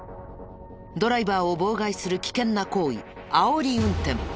ドライバーを妨害する危険な行為あおり運転。